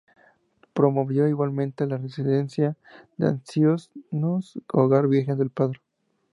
Promovió, igualmente, la residencia de ancianos "Hogar Virgen del Prado".